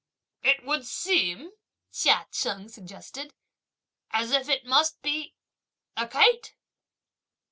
"It would seem," Chia Cheng suggested, "as if that must be a kite!"